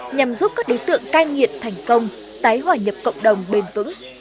nhằm giúp các đối tượng cai nghiện thành công tái hòa nhập cộng đồng bền vững